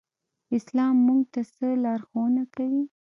اسلام موږ ته څه لارښوونه کوي؟